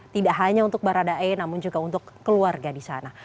tidak hanya untuk baradae namun juga untuk keluarga di sana